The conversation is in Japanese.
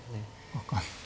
分かんない。